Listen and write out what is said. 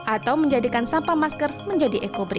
atau menjadikan sampah masker menjadi ekobri